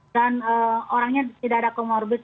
dan orangnya tidak ada komorbis